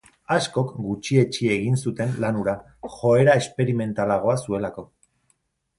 Askok gutxietsi egin zuten lan hura, joera esperimentalagoa zuelako.